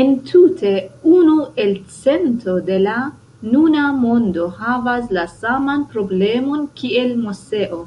Entute, unu elcento de la nuna mondo havas la saman problemon kiel Moseo.